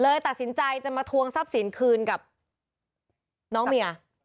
ตัดสินใจจะมาทวงทรัพย์สินคืนกับน้องเมีย